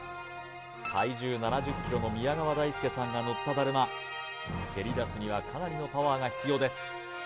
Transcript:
体重７０ｋｇの宮川大輔さんが乗っただるま蹴り出すにはかなりのパワーが必要です